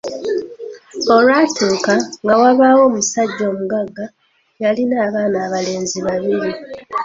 Olwatuuka, nga wabawo omussajja omuggaga, yalina abaana abalenzi babbiri.